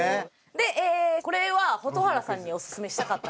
でこれは蛍原さんにオススメしたかったんですけど。